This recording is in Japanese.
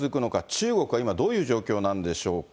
中国は今、どういう状況なんでしょうか。